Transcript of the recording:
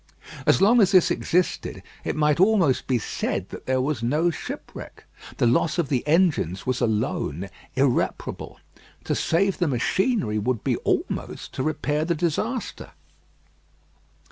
As long as this existed, it might almost be said that there was no shipwreck. The loss of the engines was alone irreparable. To save the machinery would be almost to repair the disaster.